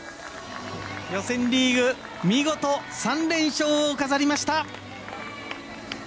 予選リーグ見事３連勝を飾りました！